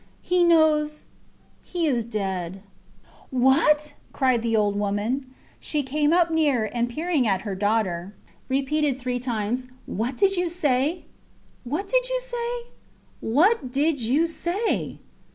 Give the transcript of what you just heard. He knows ... he is dead. What! cried the old woman. She came up near, and peering at her daughter, repeated three times: What do you say? What do you say? What do you say?